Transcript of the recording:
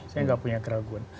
saya nggak punya keraguan